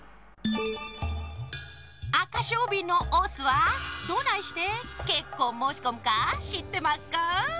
アカショウビンのオスはどないしてけっこんもうしこむかしってまっか？